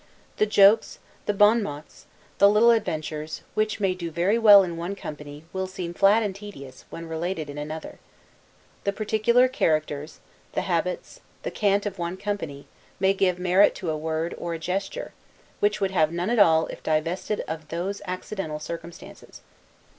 The jokes, the 'bonmots,' the little adventures, which may do very well in one company, will seem flat and tedious, when related in another. The particular characters, the habits, the cant of one company, may give merit to a word, or a gesture, which would have none at all if divested of those accidental circumstances.